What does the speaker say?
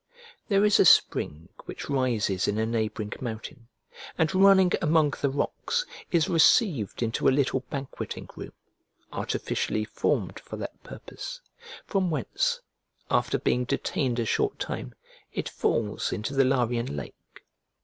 There is a spring which rises in a neighbouring mountain, and running among the rocks is received into a little banqueting room, artificially formed for that purpose, from whence, after being detained a short time, it falls into the Larian lake.